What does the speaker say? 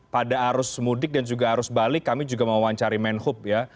pada arus mudik dan juga arus balik kami juga mau wawancari manhood ya